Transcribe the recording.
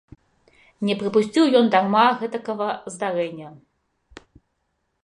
Не прапусціў ён дарма гэтакага здарэння.